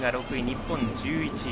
日本が１１位。